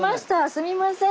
すみません。